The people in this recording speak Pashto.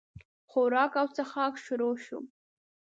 خوراک او چښاک شروع شو.